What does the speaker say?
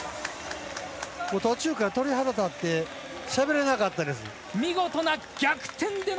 途中から鳥肌たってしゃべれなかったです。